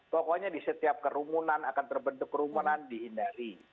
pokoknya di setiap kerumunan akan terbentuk kerumunan dihindari